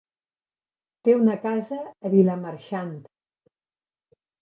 Té una casa a Vilamarxant.